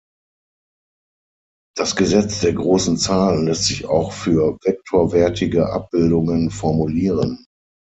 Das Gesetz der großen Zahlen lässt sich auch für vektorwertige Abbildungen formulieren.